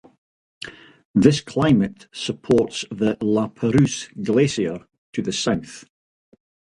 This climate supports the La Perouse Glacier to the south.